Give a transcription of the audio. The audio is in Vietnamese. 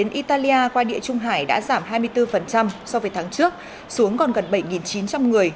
đến italia qua địa trung hải đã giảm hai mươi bốn so với tháng trước xuống còn gần bảy chín trăm linh người